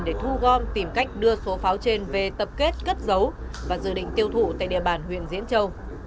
để thu gom tìm cách đưa số pháo trên về tập kết cất giấu và dự định tiêu thụ tại địa bàn huyện diễn châu